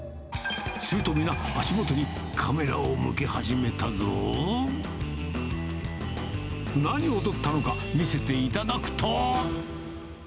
すると、皆、足元にカメラを向け始めたぞ。何を撮ったのか見せていただくと。